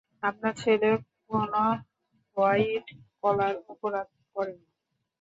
আপনার ছেলে কোন হোয়াইট কলার অপরাধ করেনি।